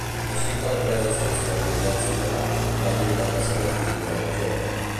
Així que el rei sense poder-s'hi negar, va lliurar la seva filla al jove.